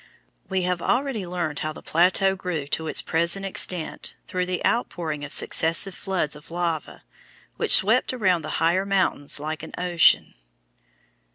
We have already learned how the plateau grew to its present extent through the outpouring of successive floods of lava which swept around the higher mountains like an ocean.